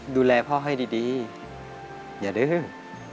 ดูแลพ่อให้ดีอย่าดื้อ